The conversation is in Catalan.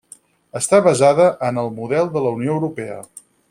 Està basada en el model de la Unió Europea.